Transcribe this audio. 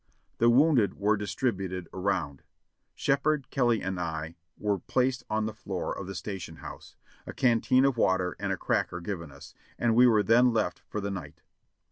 The wounded were distributed around. Shepherd, Kelly and I were placed on the floor of the station house, a canteen of water and a cracker given us, and we were then left for the night.